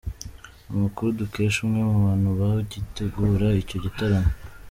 Amakuru dukesha umwe mubantu bagitegura icyo gitaramo